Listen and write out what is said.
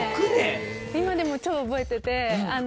今でも超覚えてて。